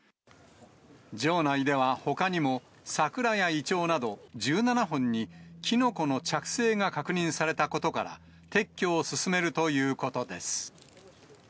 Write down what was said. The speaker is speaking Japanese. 城内ではほかにもサクラやイチョウなど１７本に、キノコの着生が確認されたことから、撤去を進めるということです。